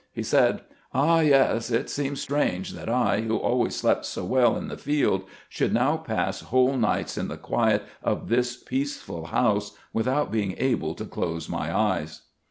He said :" Ah, yes ; it seems strange that I, who always slept so well in the field, should now pass whole nights in the quiet of this peaceful house without being able to close my eyes."